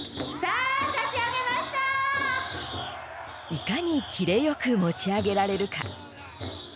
いかにキレよく持ち上げられるか？